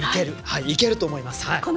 いけると思います。